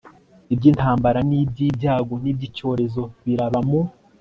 iby intambara n iby ibyago n iby icyorezo biraba mu